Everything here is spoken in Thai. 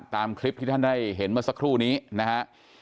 ตามคลิปที่ท่านได้เห็นเมื่อสักครู่นี้นะฮะ